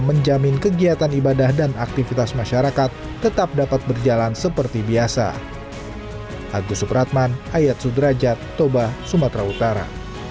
menjamin kegiatan ibadah dan aktivitas masyarakat tetap dapat berjalan seperti biasa